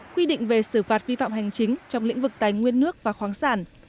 quy định về xử phạt vi phạm hành chính trong lĩnh vực tài nguyên nước và khoáng sản